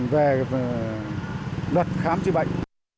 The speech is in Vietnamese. về lật khám chữa bệnh